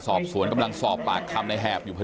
ทีมข่าวเราก็พยายามสอบปากคำในแหบนะครับ